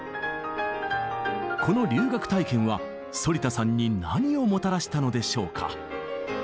この留学体験は反田さんに何をもたらしたのでしょうか？